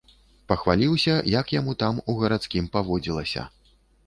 Пахваліўся, як яму там, у гарадскім, паводзілася.